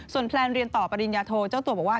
แพลนเรียนต่อปริญญาโทเจ้าตัวบอกว่า